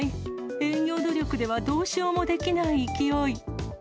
営業努力では、どうしようもできない勢い。